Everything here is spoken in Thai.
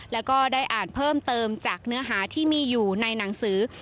แล้วก็ได้อ่านเพิ่มเติมจากเนื้อหาที่มีอยู่ในหนังสือ